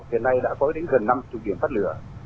hiện nay đã có đến gần năm mươi điểm phát lửa